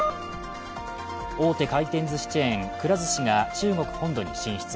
大手回転ずしチェーン、くら寿司が中国本土に進出。